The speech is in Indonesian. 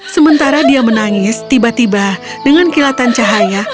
sementara dia menangis tiba tiba dengan kilatan cahaya